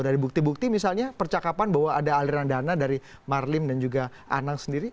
dari bukti bukti misalnya percakapan bahwa ada aliran dana dari marlim dan juga anang sendiri